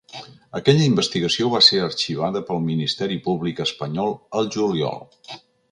Aquella investigació va ser arxivada pel ministeri públic espanyol al juliol.